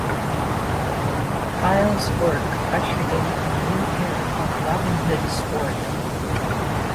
Pyle's work ushered in a new era of Robin Hood stories.